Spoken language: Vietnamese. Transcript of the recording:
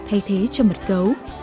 thay thế cho mật cấu